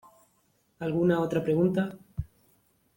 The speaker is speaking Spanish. ¿ alguna otra pregunta?